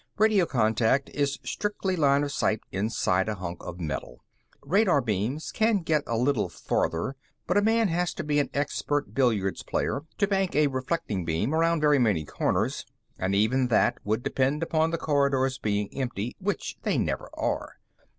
Radio contact is strictly line of sight inside a hunk of metal. Radar beams can get a little farther, but a man has to be an expert billiards player to bank a reflecting beam around very many corners, and even that would depend upon the corridors being empty, which they never are.